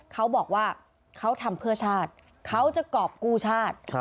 เขาบอกว่าเขาทำเพื่อชาติเขาจะกรอบกู้ชาติ